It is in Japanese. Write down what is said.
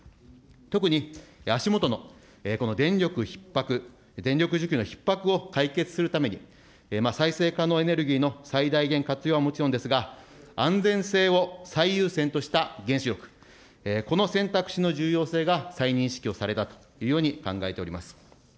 特に、足下の電力ひっ迫、電力需給のひっ迫を解決するために、再生可能エネルギーの最大限活用はもちろんですが、安全性を最優先とした原子力、この選択肢の重要性が再認識をされたというように考えております。